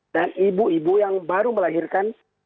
dan ibu ibu yang baru melahirkan kecil